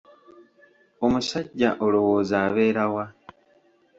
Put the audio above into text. Omusajja olowooza abeera wa?